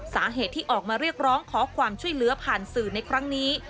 สาเหตุที่ออกมาเรียกร้องขอความช่วยเหลือผ่านสื่อในครั้งนี้